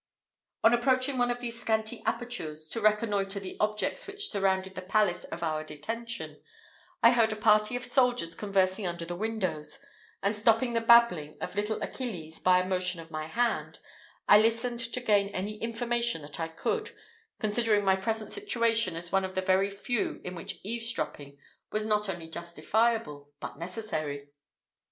On approaching one of these scanty apertures, to reconnoitre the objects which surrounded the place of our detention, I heard a party of soldiers conversing under the windows, and stopping the babbling of little Achilles by a motion of my hand, I listened to gain any information that I could, considering my present situation as one of the very few in which eaves dropping was not only justifiable but necessary.